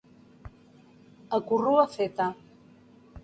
A corrua feta.